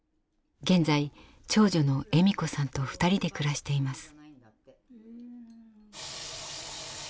現在長女の絵美子さんと２人で暮らしています。